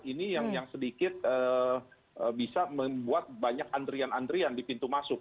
ini yang sedikit bisa membuat banyak antrian antrian di pintu masuk